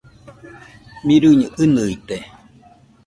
Mirɨño ɨnɨite?